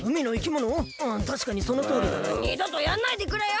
もうにどとやんないでくれよ！